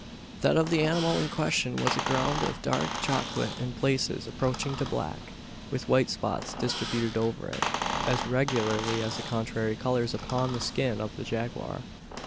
That of the animal in question was a ground of dark chocolate in places approaching to black with white spots distributed over it, as regularly as the contrary colours upon the skin of the jaguar.